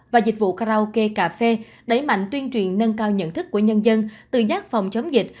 và dịch vụ karaoke cà phê đẩy mạnh tuyên truyền nâng cao nhận thức của nhân dân tự giác phòng chống dịch